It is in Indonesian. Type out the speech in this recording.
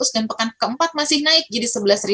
dan pekan keempat masih naik jadi sebelas tujuh puluh enam